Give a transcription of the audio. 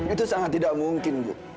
itu sangat tidak mungkin bu